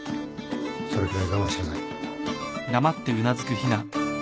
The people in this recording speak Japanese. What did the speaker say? それくらい我慢しなさい。